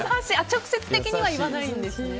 直接的には言わないんですね。